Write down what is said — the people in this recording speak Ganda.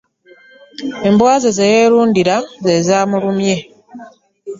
Embwa ze ze yeerundira ze zaamulumye.